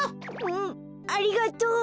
うんありがとう！